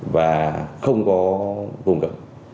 và không có vùng gần